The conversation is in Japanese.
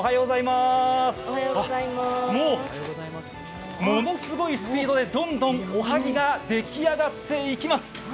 もうものすごいスピードでどんどんおはぎができあがっていきます。